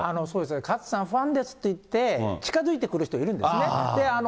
そうです、勝さん、ファンですって言って、近づいてくる人いるんですね。